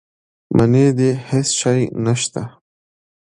منی دی هېڅ شی نه شته.